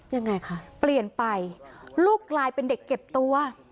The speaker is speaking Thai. ยังไงคะเปลี่ยนไปลูกกลายเป็นเด็กเก็บตัว